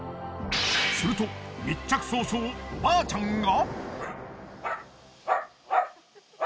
すると密着早々おばあちゃんが。